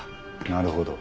なるほど。